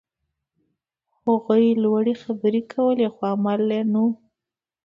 هغوی لوړې خبرې کولې، خو عمل نه و.